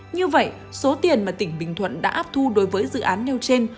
như vậy số tiền mà tỉnh bình thuận đã áp thu đối với dự án nêu trên